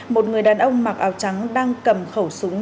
một người đàn ông mặc áo trắng đang cầm khẩu súng